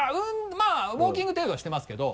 まぁウオーキング程度はしてますけど。